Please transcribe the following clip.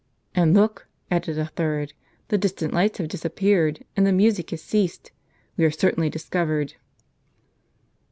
"And, look!" added a third; "the distant lights have disappeared, and the music has ceased. We are certainly discovered."